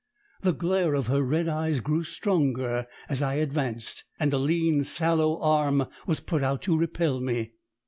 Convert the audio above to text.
The glare of her red eyes grew stronger as I advanced, and a lean, sallow arm was put out to repel me.